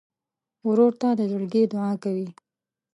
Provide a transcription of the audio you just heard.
ورور ته د زړګي دعاء کوې.